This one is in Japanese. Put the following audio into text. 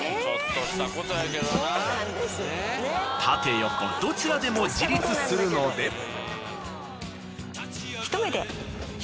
縦横どちらでも自立するので。